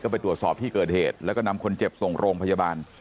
ไปตรวจสอบที่เกิดเหตุแล้วก็นำคนเจ็บส่งโรงพยาบาล